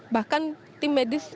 bahkan tim medis